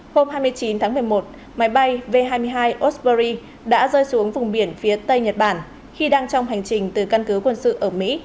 hôm hai mươi chín tháng một mươi một máy bay v hai mươi hai osbury đã rơi xuống vùng biển phía tây nhật bản khi đang trong hành trình từ căn cứ quân sự ở mỹ